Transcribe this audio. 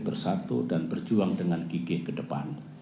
bersatu dan berjuang dengan gigih ke depan